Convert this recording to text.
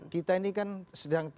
kita ini kan sedang